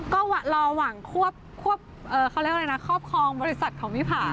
ก็รอหวังครอบครองบริษัทของมิภา